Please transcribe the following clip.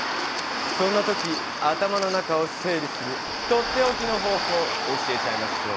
そんな時頭の中を整理するとっておきの方ほう教えちゃいましょう！